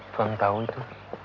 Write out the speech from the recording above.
tuhan tahu itu